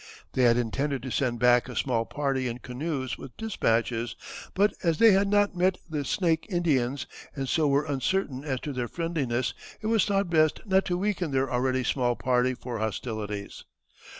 They had intended to send back a small party in canoes with despatches, but as they had not met the Snake Indians, and so were uncertain as to their friendliness, it was thought best not to weaken their already small party for hostilities.